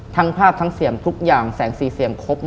ทั้งภาพทั้งเสี่ยมทุกอย่างแสงสีเสียงครบ